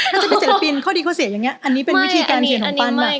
ถ้าจะเป็นศิลปินข้อดีข้อเสียอย่างนี้อันนี้เป็นวิธีการเขียนของปั้น